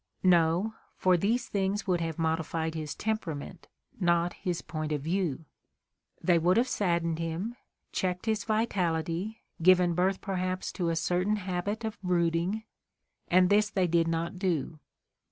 No, for these things would have modi fied his temperament, not his point of view ; they would have saddened him, checked his vitality, given birth perhaps to a certain habit of brooding, and this they did not do.